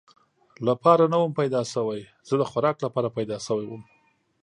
لپاره نه ووم پیدا شوی، زه د خوراک لپاره پیدا شوی ووم.